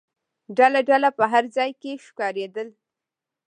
ډله ډله په هر ځای کې ښکارېدل.